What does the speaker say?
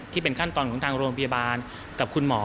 ที่เป็นขั้นตอนของทางโรงพยาบาลกับคุณหมอ